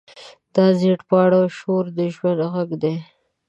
د زېړ پاڼو شور د ژوند غږ دی